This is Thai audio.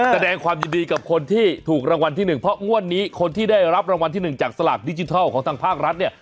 แสดงความยินดีกับคนที่ถูกรางวัลที่๑เพราะงวดนี้คนที่ได้รับรางวัลที่๑จากสลากดิจิทัลของทางภาครัฐเนี่ย